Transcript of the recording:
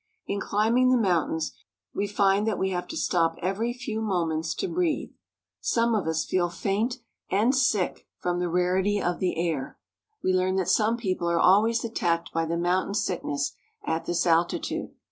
In climbing the mountains, we find that we have to stop every few mo ments to breathe. Some of us feel faint and sick from the CROSSING THE MOUNTAINS. 257 rarity of the air. We learn that some people are always attacked by the mountain sickness at this altitude.